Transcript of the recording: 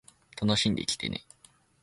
楽しんできてね